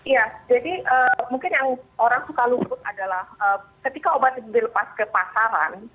ya jadi mungkin yang orang suka luput adalah ketika obat itu dilepas ke pasaran